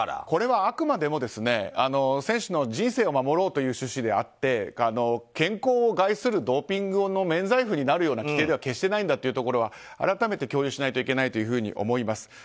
これはあくまでも、選手の人生を守ろうという趣旨であって健康を害するドーピングの免罪符になるような規定では決してないんだというところは改めて共有しないといけないと思います。